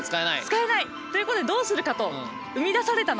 使えない。ということでどうするかと何だそれ。